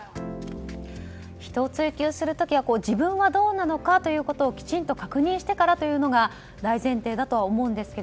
人を追及する時は自分はどうなのかというのをきちんと確認してからというのが大前提だと思うんですが。